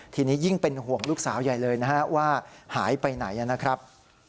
ทีนี้ยิ่งเป็นห่วงลูกสาวใหญ่เลยนะฮะว่าหายไปไหนนะครับ